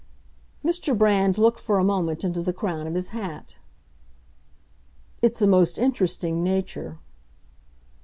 Mr. Brand looked for a moment into the crown of his hat. "It's a most interesting nature."